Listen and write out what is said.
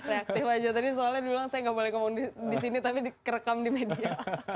reaktif aja tadi soalnya bilang saya nggak boleh ngomong disini tapi di kerekam di media